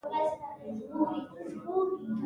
د شپې مهال ترسره کېږي.